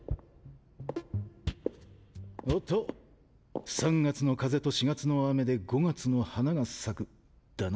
おっと三月の風と四月の雨で五月の花が咲くだな。